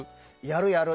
やるやる。